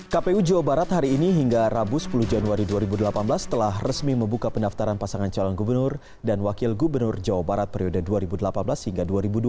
kpu jawa barat hari ini hingga rabu sepuluh januari dua ribu delapan belas telah resmi membuka pendaftaran pasangan calon gubernur dan wakil gubernur jawa barat periode dua ribu delapan belas hingga dua ribu dua puluh